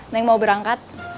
neng mau berangkat